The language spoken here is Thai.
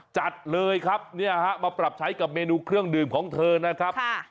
จัดเลยครับเนี่ยฮะมาปรับใช้กับเมนูเครื่องดื่มของเธอนะครับ